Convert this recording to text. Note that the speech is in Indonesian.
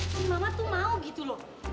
kan mama tuh mau gitu loh